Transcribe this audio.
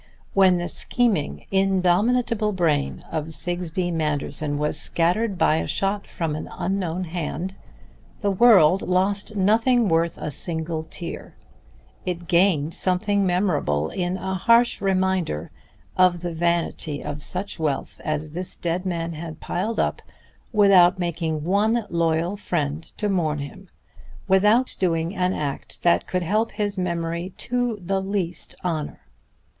When the scheming, indomitable brain of Sigsbee Manderson was scattered by a shot from an unknown hand, that world lost nothing worth a single tear; it gained something memorable in a harsh reminder of the vanity of such wealth as this dead man had piled up without making one loyal friend to mourn him, without doing an act that could help his memory to the least honor.